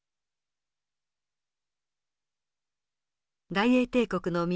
大英帝国の都